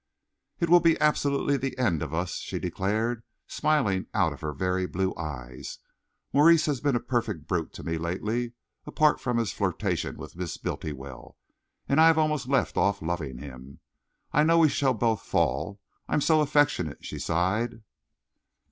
"It will be absolutely the end of us," she declared, smiling out of her very blue eyes. "Maurice has been a perfect brute to me lately, apart from his flirtation with Miss Bultiwell, and I have almost left off loving him. I know we shall both fall. I'm so affectionate," she sighed.